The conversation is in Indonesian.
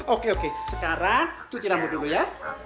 oke oke sekarang cuci rambu dulu ya